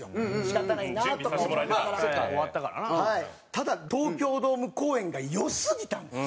ただ東京ドーム公演が良すぎたんですよ！